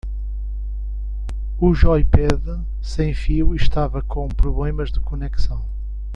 O joypad sem fio estava com problemas de conexão.